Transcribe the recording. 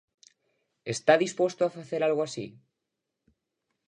¿Está disposto a facer algo así?